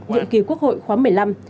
nhiệm kỳ quốc hội khóa một mươi năm